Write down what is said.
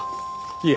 いえ。